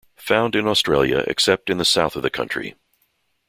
Found in Australia except in the south of the country.